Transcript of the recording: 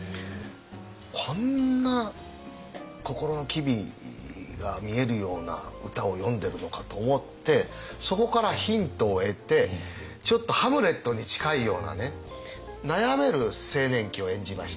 こんな心の機微が見えるような歌を詠んでるのかと思ってそこからヒントを得てちょっとハムレットに近いようなね悩める青年期を演じました。